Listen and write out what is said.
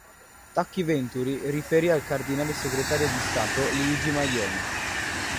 Tacchi Venturi riferì al Cardinale Segretario di Stato Luigi Maglione.